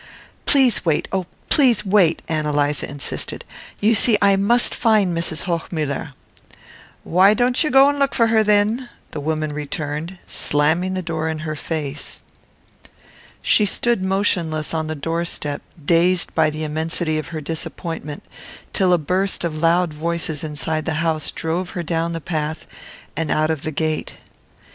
"Please wait oh, please wait," Ann Eliza insisted. "You see I must find Mrs. Hochmuller." "Why don't ye go and look for her thin?" the woman returned, slamming the door in her face. She stood motionless on the door step, dazed by the immensity of her disappointment, till a burst of loud voices inside the house drove her down the path and out of the gate.